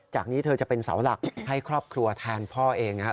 นี้เธอจะเป็นเสาหลักให้ครอบครัวแทนพ่อเอง